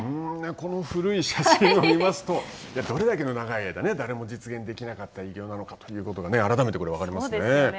この古い写真を見ますとどれだけの長い間、誰も実現できなかった偉業なのかということが改めて分かりますね。